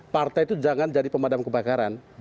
partai itu jangan jadi pemadam kebakaran